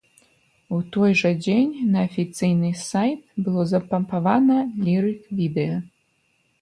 У той жа дзень на афіцыйны сайт было запампавана лірык-відэа.